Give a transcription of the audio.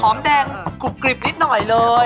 หอวนแดงมันกรุปกริบนิดหน่อยเลย